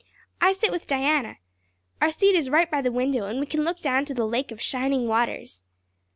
I sit with Diana. Our seat is right by the window and we can look down to the Lake of Shining Waters.